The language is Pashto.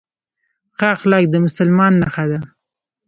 ښه اخلاق د مسلمان نښه ده